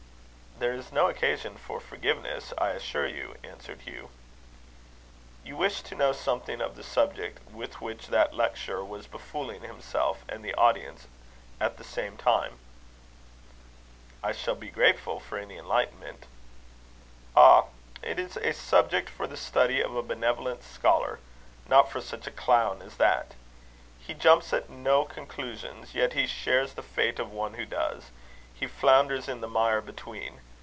"There is no occasion for forgiveness, I assure you," answered Hugh. "You wished to know something of the subject with which that lecturer was befooling himself and the audience at the same time." "I shall be grateful for any enlightenment." "Ah! it is a subject for the study of a benevolent scholar, not for such a clown as that. He jumps at no conclusions; yet he shares the fate of one who does: he flounders in the mire between.